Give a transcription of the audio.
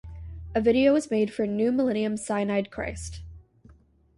A video was made for "New Millennium Cyanide Christ".